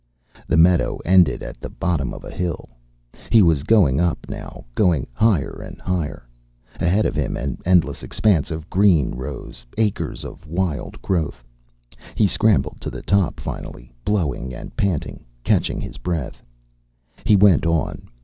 The meadow ended at the bottom of a hill. He was going up, now, going higher and higher. Ahead of him an endless expanse of green rose, acres of wild growth. He scrambled to the top finally, blowing and panting, catching his breath. He went on.